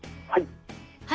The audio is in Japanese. はい。